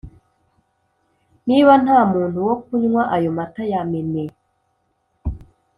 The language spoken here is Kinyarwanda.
Niba nta muntu wo kunywa ayo mata yamene